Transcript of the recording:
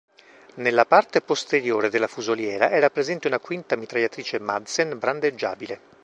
Nella parte posteriore della fusoliera era presente una quinta mitragliatrice Madsen, brandeggiabile.